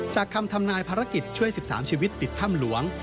จากคำทำนายภารกิจช่วย๑๓ชีวิตติดถ้ำหลวง